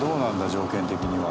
条件的には。